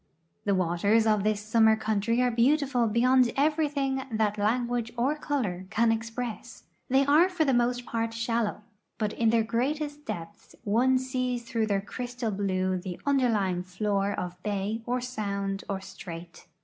The waters of this summer country are beautiful beyond everything that language or color can express. They are for the most part shallow, but in their greatest depths one sees through their cr}\stal blue the underlying floor of bay or sound or strait.